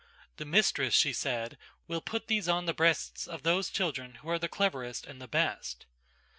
"The mistress," she said "will put these on the breasts of those children who are the cleverest and the best."